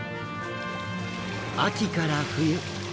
秋から冬。